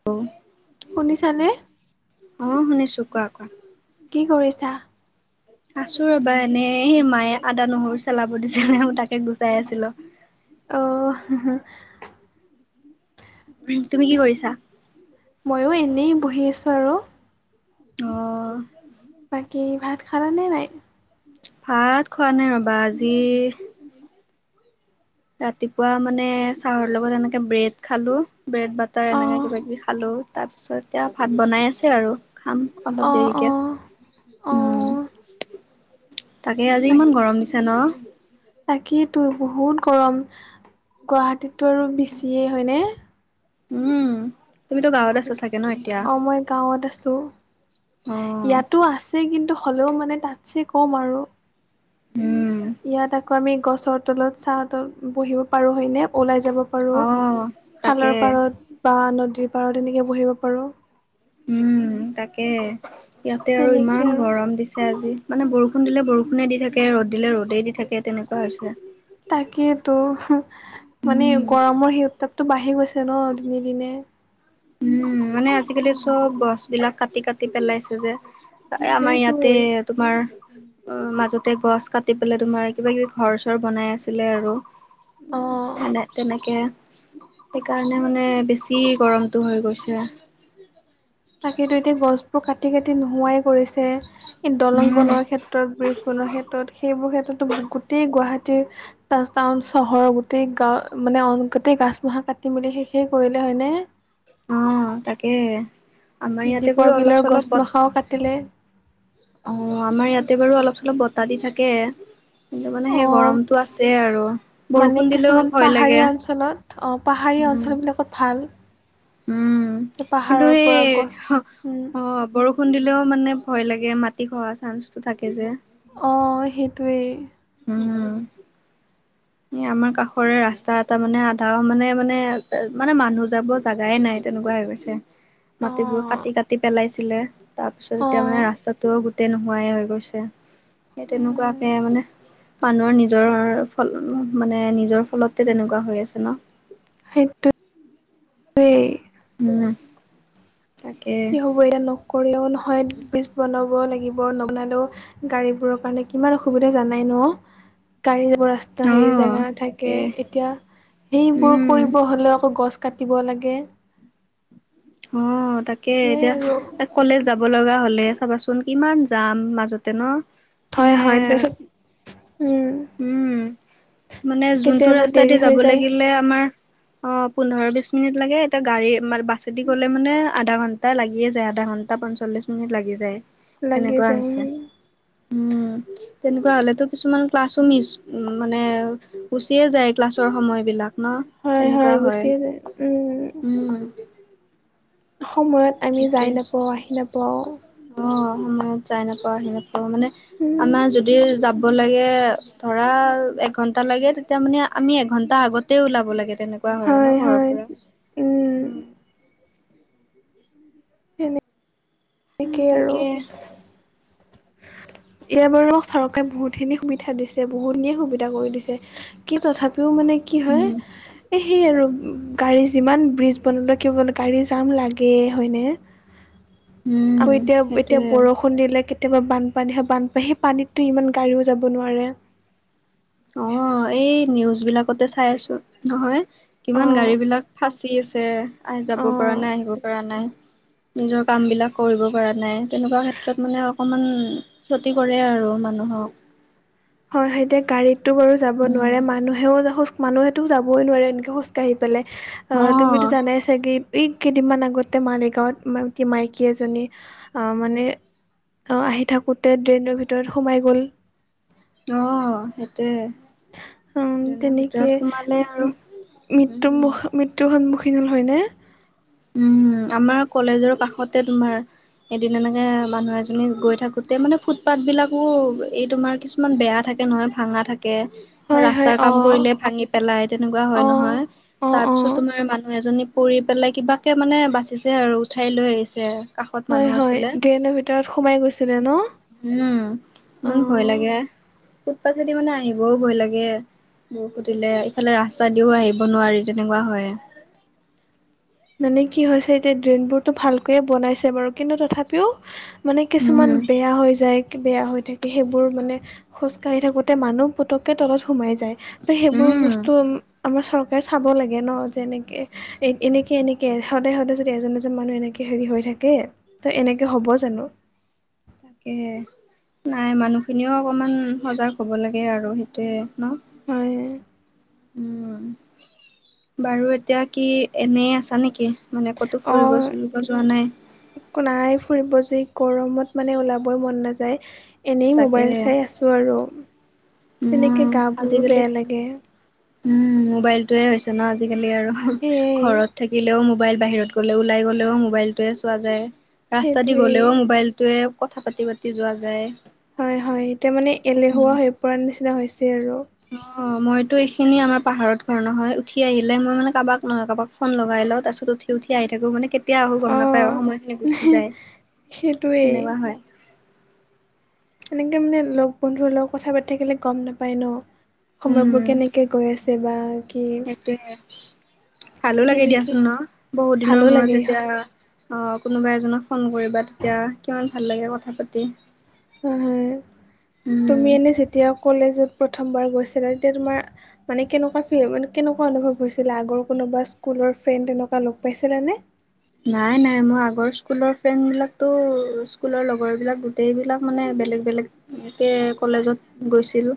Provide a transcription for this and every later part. [unintelligible] শুনিছানে? অ' শুনিছোঁ। কোৱা কোৱা? কি কৰিছা? আছোঁ ৰবা এনেই, সেই মায়ে আদা নহৰু চলাব দিছিলে তাকে গুচাই আছিলোঁ। অ'। তুমি কি কৰিছা? ময়ো এনেই বহি আছোঁ আৰু। অ'। বাকী ভাত খালানে নাই? ভাত খোৱা নাই ৰবা, আজি ৰাতিপুৱা মানে চাহৰ লগত এনেকে ব্ৰেড খালোঁ ব্ৰেড বাটাৰ এনেকে অ' কিব কিবি খালোঁ, তাৰপিছত এতিয়া ভাত বনাই আছে আৰু খাম। অলপ অ' দেৰিকে, অ' অ' উম। তাকে আজি ইমান বাকী গৰম দিছে ন'? তাকেইতো বহুত গৰম, গুৱাহাটীতটো আৰু বেছিয়ে হয়নে? উম, তুমিতো গাঁৱত আছা ছাগে। অ' মই গাঁৱত আছোঁ। অ', ইয়াতো আছে কিন্তু হ'লেও মানে তাতছে ক'ম আৰু। উম। ইয়াত আকৌ আমি গছৰ তলত চা তল বহিব পাৰো হয়, নে ওলাই যাব পাৰো অ', তাকে। খালৰ পাৰত বা নদীৰ পাৰত এনেকে বহিব পাৰো। উম, তাকে ইয়াতে আৰু তেনেকে ইমান আৰু। গৰম দিছে আজি। মানে বৰষুণ দিলে বৰষুণে দি থাকে ৰ'দ দিলে ৰ'দেই দি থাকে তেনেকুৱা হৈছে। তাকেইেতো মানে উম গৰমৰ সেই উত্তাপটো বাঢ়ি গৈছে ন' দিনে দিনে। উম, মানে আজিকালি চব গছ বিলাক কাটি কাটি পেলাইছে যে। আমাৰ ইয়াতে সেইটোৱেই তোমাৰ মাজতে গছ কাটি পেলাই তোমাৰ কিবা কিবি ঘৰ চৰ বনাই আছিলে আৰু। অ। উম, তেনে তেনেকে সেইকাৰণে মানে বেছি গৰম টো হৈ গৈছে। তাকেইো এতিয়া গছ বোৰ কাটি কাটি নোহোৱাই কৰিছে এই দলং উম বনোৱাৰ ক্ষেত্ৰত ব্ৰ্ৰীজ বনোৱাৰ ক্ষেত্ৰত সেইবোৰ ক্ষেত্ৰতো গোটেই গুৱাহাটীৰ টাউন চহৰৰ গোটেই গাঁও মানে গোটেই গাছ মোহা কাটি মেলি শেষেই কৰিলে হ'য়নে? অ', তাকে হে আমাৰ ইয়াতে দীপৰ বাৰু অলপ বিলৰ চলপ ব [unintelligible] কাটিলে অ', আমাৰ ইয়াতে বাৰু অলপ চলপ বতাহ দি থাকে। কিন্তু মানে অ সেই গৰমতটো আছে আৰু বৰষুণ দিলেও ভয় লাগে। অঁ', পাহাৰীয়া উম, অঞ্চলবিলাকত ভাল। উম, কিন্তু পাহাৰৰ সেই পৰা গছ অ', উম বৰষুন দিলেও মানে ভয় লাগে মাটি খহা চাঞ্চটো থাকে যে। অ', সেইটোৱেই। উম। এ আমাৰ কাষৰে ৰাস্তা এটা মানে আধা মানে মানে মানে মানুহ যাব জাগাই নাই। তেনেকুৱা হৈ গৈছে মাটিবোৰ অ', কাটি কাটি পেলাইছিলে। তাৰ পিছত এতিয়া মানে অ', ৰাস্তাটোও গোটেই নোহোৱাই হৈ গৈছে, সেই উম, তেনেকুৱাকে মানে মানুহৰ নিজৰ মানে নিজৰ ফলত তেনেকুৱা হৈ আছে ন'? সেইটোৱেই। উম। তাকে কি হ'ব এতিয়া, নকৰিলেও নহয় বীজ বনাব লাগিব নবনালেও গাড়ী বোৰৰ কাৰণে কিমান অসুবিধা জানাই ন'? গাড়ী যাব ৰাস্তা অ এ সেই জোগা নাথাকে তাকে এতিয়া সেইবোৰ উম কৰিব হ'লে আকৌ গছ কাটিব লাগে। অ', তাকে সেয়াই এতিয়া আৰু। কলেজ যাব লগা হ'লে চাবাচোন কিমান যাম মাজতে ন'? হয়, মানে হয়, তাৰপিছত উম। উম, মানে যোনটো কেতিয়াবা ৰাস্তাই দেৰি দি হৈ যাব যায় লাগিলে আমাৰ অ', পোন্ধৰ বিশ মিনিট লাগে, এতিয়া গাড়ী বাছে এদি গ'লে মানে আধা ঘণ্টা টা লাগিয়ে যায় আধা ঘণ্টা পঞ্চল্লিছ মিনিট লাগি যায়। লাগি সনেকুৱা যায় হৈছে উম। উম, তেনেকুৱা হ'লেতো কিছুমান ক্লাছো মিছ মানে গুচিয়ে যায় ক্লাছৰ সময়বিলাক ন'? হয়, তেনেকুৱা হয়, গুচিয়ে যায় উম, উম। সময়ত আমি যাই সেইটোৱে নাপাওঁ আহি নাপাওঁ। অ', সময়ত যাই নাপাও আহি নাপাও মানে উম, আমাৰ যদি যাব লাগে ধৰা এঘন্টা লাগে, তেতিয়া মানে আমি এঘন্টা আগত তে ওলাব লাগে তেনেকুৱা হয় ন' ঘৰৰ পৰা উম। সেনেকেই আৰু। তাকে এতিয়া বাৰু চৰকাৰে বহুতখিনি সুবিধা দিছে বহুতখিনিয়ে সুবিধা কৰি দিছে কি তথাপি ও মানে কি হয়, উম, এই সেই আৰু। গাড়ী যিমান ব্ৰিজ বনাল কি হ'ব গাড়ী জাম লাগেই হ'য়নে? আৰু উম, এতিয়া, এতিয়া বৰষু সেইটোৱে। লষুণ দিলে কেতিয়াবা বানপানীহে বানপান, সেই পানীতটো ইমান গাড়ীও যাব নোৱাৰে। অ' এই নিউজবিলাকতে চাই আছোঁ নহয়। অ কিমান গাড়ীবিলাক ফাঁচি আছে, আ, যাব পৰা অ নাই আহিব পৰা নাই। নিজৰ কামবিলাক কৰিব পৰা নাই, তেনেকুৱা ক্ষেত্ৰত মানে অকণমান ক্ষতি কৰে আৰু মানুহক। হয়, এতিয়া গাড়ীতটো বাৰু যাব উম নোৱাৰে, মানুহেও মানুহেতো যাবই নোৱাৰে এনেকে খোজ কাঢ়ি পেলাই, অ' তুমিতো জানাই চা চাগেই, এই কেইদিনমান আগতে মালিগাঁৱত মাইকী এজনী আ, মানে অ' আহি থাকোতে ড্ৰেইনৰ ভিতৰত সোমাই গ'ল। অ' সেইটোয়ে। উম, তেনেকে আৰু মৃত্যু উম। মুখ মৃত্যুৰ সন্মুখীন হ'ল হয়নে? উম, আমাৰ কলেজৰ কাষতে তোমাৰ এদিন এনেকে মানুহ এজনী গৈ থাকোতে মানে ফুটপাথবিলাকো এই তোমাৰ কিছু কিছুমান বেয়া থাকে নহয়, ভাঙা থাকে। বা হয় হয় ৰাস্তাৰ কাম অঁ কৰিলে ভাঙি পেলাই তেনেকুৱা হয় অঁ নহয়। অঁ অঁ তাৰপিছত তোমাৰ মানুহ এজনী পৰি পেলাই কিবাকে মানে বাচিছে আৰু, উঠাই লৈ আহিছে। কাষত হয় মানুহ হয়, আছিলে। ড্ৰেইনৰ ভিতৰত সোমাই গৈছিলে ন'? উম, ইমান ভয় অঁ লাগে, ফুটপাটেদি মানে আহিবও ভয় লাগে। দূৰ খুটিলে, ইফালে ৰাস্তা দিও আহিব নোৱাৰি যেনেকুৱা হয়। মানে কি হৈছে এতিয়া ড্ৰেইনবোৰটো ভালকৈয়ে বনাইছে বাৰু কিন্তু তথাপিও মানে কিছুমান উম, বেয়া হৈ যায়। বেয়া হৈ থাকে, সেইবোৰ মানে খোজকাঢ়ি থাকোঁতে মানুহ পটককৈ তলত সোমাই যায়। ত' সেইবোৰ বস্তু উম। আমাৰ চৰকাৰে চাব লাগে ন' যে এনেকে এ, এনেকে সেই এনেকে সদায় সদায় যদি এজন এজন মানুহ এনেকে হেৰি হৈ থাকে ত' এনেকে হ'ব জানো। তাকে। তাকেহে। নাই, মানুহখিনিও অকণমান সজাগ হ'ব লাগে আৰু সেইটোৱে ন'? হয়। উম, বাৰু এতিয়া কি এনেই আছা নেকি? মানে ক'তো অ ফুৰিব চোৰিব যোৱা নাই? একো নাই ফুৰিব, যি গৰমত মানে ওলাবই মন নাযায়। এনেই মোবাইল তাকেহে চাই আছোঁ আৰু। উম তেনেকে গাবোৰো আজিকালি বেয়া লাগে। উম, মোবাইলটোৱে হৈছে ন' আজিকালি আৰু সেয়াই ঘৰত থাকিলেও মোবাইল, বাহিৰত গ'লে ওলাই গ'লেও মোবাইলটোৱে চোৱা যায়। ৰাস্তা দি সেইটোৱেই গলেও মোবাইলটোৱে কথা পাতি পাতি যোৱা যায়। হয় হয়, এতিয়া মানে উম এলেহুৱা হৈ পৰাৰ নিচিনা হৈছে আৰু। অ' মইতো এইখিনি আমাৰ পাহাৰত ঘৰ নহয়, উঠি আহিলে মই মানে কাৰোবাক নহয় কাৰোবাক ফোন লগাই লওঁ তাৰাছত উঠি উঠি আহি থাকোঁ মানে কেতিয়া আহোঁ গম অ নাপায় আৰু সময়খিনি গুচি যায়, সেইটোৱেই সেনেকুৱা হয়। এনেকে মানে লগ বন্ধুৰ লগত কথা পাতি থাকিলে গম নাপায় ন' সময়বোৰ উম কেনেকে কে গৈ আছে বা কি সেইটোয়ে, ভালো লাগে সেনেকে দিয়াচোন ন' বহুত ভালো দিনৰ মূৰত লাগে যেতিয়া অ' কোনোবা এজনক ফোন কৰিবা তেতিয়া কিমান ভাল লাগে কথা পাতি। হয় হয়, তুমি উম এনেই যেতিয়া কলেজত প্ৰথমবাৰ গৈছিলা তেতিয়া তোমাৰ মানে কেনেকুৱা ফি কেনেকুৱা অনুভৱ হৈছিলে, আগৰ কোনোবা স্কুলৰ ফ্ৰেণ্ড তেনেকুৱা লগ পাইছিলানে? নাই নাই, মই আগৰ স্কুলৰ ফ্ৰেণ্ডবিলাকতো স্কুলৰ লগৰবিলাক গোটেইবিলাক মানে বেলেগ বেলেগ এনেকে কলেজত গৈছিল,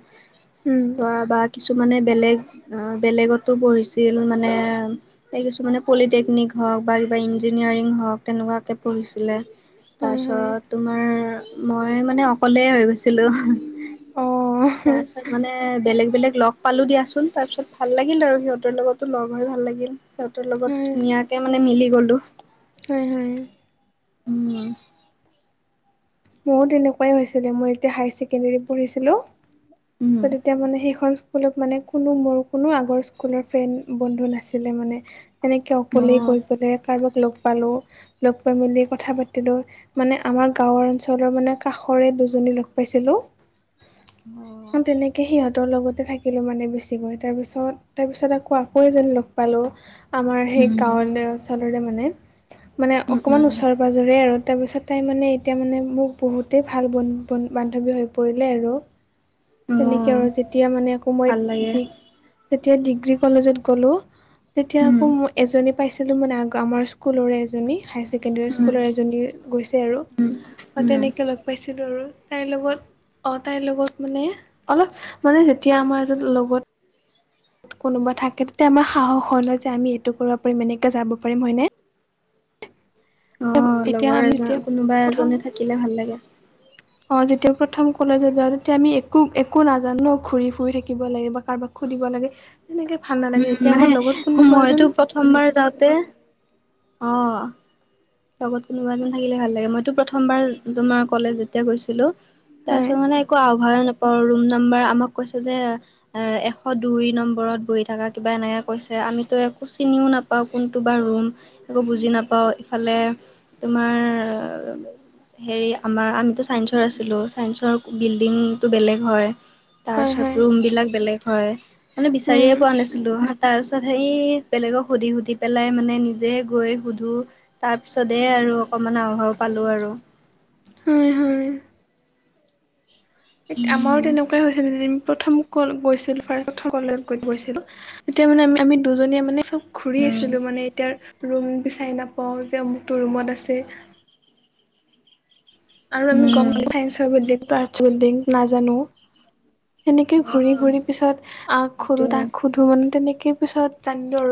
উম ধৰা বাট কিছুমানে বেলেগ বেলেগতো পঢ়িছিল মানে এই কিছুমানে পলিটেকনিক হওক বা বা ইঞ্জিনিয়াৰিং হওক তেনেকুৱাকে পঢ়িছিলে হয় হয় তাৰপিছত তোমাৰ মই মানে অকলে হৈ গৈছিলো অ তাৰ মানে বেলেগ, বেলেগ লগ পালোঁ দিয়াচোন তাৰপিছত ভাল লাগিল আৰু সিহঁতৰ লগতো লগ হৈ ভাল লাগিল। সিহঁতৰ হয় লগত ধুনীয়াকে মানে মিলি গ'লো। হয় হয় উম। ময়ো তেনেকুৱাই হৈছিলে মই এতিয়া হাই ছেকেণ্ডেৰী পঢ়িছিলোঁ ত তেতিয়া উম মানে সেইখন স্কুলত মানে কোনো মোৰ কোনো আগৰ স্কুলৰ ফ্ৰেণ্ড বন্ধু নাছিলে মানে এনেকে অকলে অ'। গৈ পেলাই কাৰোবাক লগ ল'গ পালো মেলি কথা পাতিলো মানে আমাৰ গাওঁৰ অন তলৰ মানে কাষৰে দুজনী লগ পাইছিলোঁ অহ। তাকে সিহঁতৰ লগতে থাকিলোঁ মানে বেছিকৈ তাৰপিছত তাৰপিছত আকৌ, আকৌ এজনী লগ পালোঁ। আমাৰ উম সেই গাঁৱৰ অঞ্চলৰে মানে মানে উম অকণমান ওচৰে পাজৰে আৰু তাৰপিছত তাই মানে এতিয়া মানে মোক বহুতেই ভাল বন্ধু ব বান্ধৱী হৈ পৰিলে আৰু। উম তেনেকে আৰু অ' যেতিয়া মানে আকৌ মই ভাল লাগে ডি যেতিয়া ডিগ্ৰী কলেজত গ'লোঁ তেতিয়া উম আকৌ মই এজনী পাইছিলো মানে আগৰে আমাৰ স্কুলৰে এজনী হায়াৰ ছেকেণ্ডৰী উম স্কুলৰ এ জনী গৈছে আৰু অ', উম। তেনেকৈ লগ পাইছিলোঁ আৰু তাইৰ লগত অ', তাইৰ লগত মানে অলপ মানে যেতিয়া আমাৰ এজন লগত কোনোবা থাকে তেতিয়া আমাৰ সাহস হয় লয় যে আমি এইটো কৰিব পাৰিম এনেকে যাব পাৰিম হয়নে। অ', এতিয়া লগৰ আমি যেতিয়া এজন কোনোবা প্ৰথম এজনে থাকিলে ভাল লাগে। [inaudible] অ', যেতিয়া প্ৰথম কলেজত যাওঁ তেতিয়া আমি একো একো নাজানো ঘূৰি ফুৰি থাকিব লাগে বা কাৰোবাক সুধিব লাগে। এনেকে উম, নাই মইতো প্ৰথমবাৰ যাওঁতে অ' লগত কোনোবা এজন থাকিলে ভাল লাগে মইতো প্ৰথমবাৰ তোমাৰ কলেজ যেতিয়া গৈছিলোঁ হয় তাৰপিছত মানে একো আও নাপাওঁ ৰুম নাম্বাৰ আমাক কৈছে যে এ এশ দুই নম্বৰত বহি থকা কিবা এনেকে কৈছে আমিতো একো চিনিও নাপাওঁ। পাওঁ কোনটো বা ৰুম একো বুজি নাপাওঁ ইফালে তোমাৰ হেৰি আমাৰ আমিতো চাইন্সৰ আছিলোঁ চায়েন্সৰ বিল্ডিংটো বেলেগ হয়। তাৰ হয় পিছত হয় ৰুম বিলাক বেলেগ হয় মানে বিচাৰিয়ে উম পোৱা নাছিলোঁ। তাৰ পিছত সেই বেলেগক সুধি, সুধি পেলাই মানে নিজে গৈ সুধো তাৰ পিছতেহ আৰু অকনমান আও ভাও পালো আৰু। হয়, হয়। আমাৰো উম তেনেকুৱাই হৈছে নে প্ৰথম ক গৈছিল ফাৰ্ষ্ট প্ৰথম কলেজ গৈ গৈছিলোঁ তেতিয়া মানে আমি, আমি দুজনীয়ে মানে চব ঘুৰি উম আছিলো মানে এতিয়াৰ ৰুম বিচাৰি নাপাও যে অমুক তটো ৰুমত আছে আৰু আমি উম গ'ম প চাইস্নসৰ বিল্ডিং আৰ্টচ বিল্ডিং নাজানোঁ সেনেকে অ ঘূৰি ঘূৰি পিছত আ খো ত সেইটোৱে সুধোঁ মানে তেনেকেই পিছত জানিলোঁ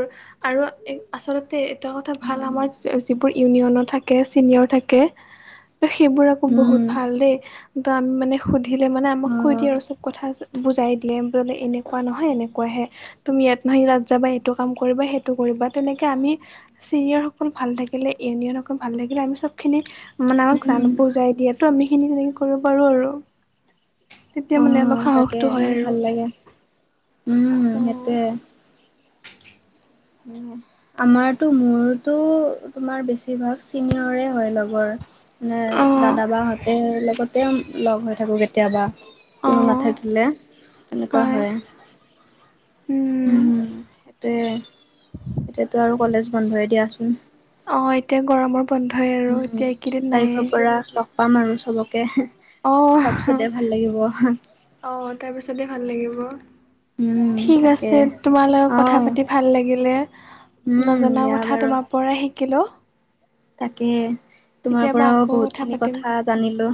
আৰু আৰু আচলতে এটা কথা ভাল আমাৰ যিবোৰ ইউনিয়নৰ থাকে চিনিয়ৰ থাকে সেইবোৰ আকৌ বহুত উম ভাল দেই তো আমি মানে সুধিলে মানে আমাক অ কৈ দিয়ে আমাক চব কথা বুজাই দিয়ে বলে এনেকুৱা নহয় এনেকুৱাহে তুমি ইয়াত নহয় তাত যাবা এইটো কাম কৰিবা সেইটো কৰিবা তেনেকে আমি চিনিয়ৰসকল ভাল থাকিলে ইউনিয়নসকল ভাল থাকিলে আমি চবখিনি মানে আমাক জান উম বুজাই দিয় তো আমি খিনি তেনেকে কৰিব পাৰো আৰু তেতিয়া অ মানে অলপ তাকে সাহসটো হয় আৰু ভাল লাগে উম অ সেইটোয়ে উম, হুম। আমাৰতো মোৰতো তোমাৰ বেছিভাগ চিনিয়ৰে হয় লগৰ। মানে দাদা বাাহঁতে লগতে লগ হৈ থাকো কেতিয়াবা। কোনো অ', নাথাকিলে তেনেকুৱা হয়। উম সেইটোৱে এতিয়তো আৰু কলেজ বন্ধই দিয়াচোন। অ, এতিয়া গৰমৰ বন্ধই আৰু এতিয়া একেইদিন নাইয়েই। কৰা ল [unintelligible] পাম আৰু চবকে। অ', তাৰপিছতে ভাল লাগিব। অ, তাৰ পিছতে ভাল লাগিব। উম ঠিক তাকে। আছে তোমাল লগত কথা অহ পাতি ভাল লাগিলে। উম নজনা দিয়া কথা বাৰু তোমাৰ পৰাই শিকিলোঁ। তাকে তোমাৰ কেতিয়াবা পৰাও আকৌ বহুত খিনি পাতিম কথা জানিলো।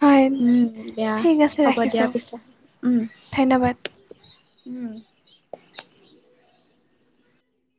হয় উম, দিয়া ঠিক আছে হ'ব। দিয়া ৰাখিছোঁ পিছে। উম, ধন্যবাদ উম,